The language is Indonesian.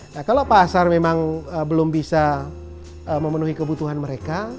nah kalau pasar memang belum bisa memenuhi kebutuhan mereka